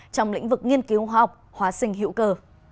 trong lĩnh vực nghiên cứu hóa học hóa sinh hữu cờ